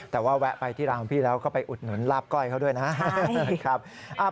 แต่ว่าแวะไปที่ร้านของพี่แล้วก็ไปอุดหนุนลาบก้อยเขาด้วยนะครับ